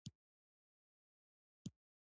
• انسان د ښو او بدو ترمنځ انتخاب لري.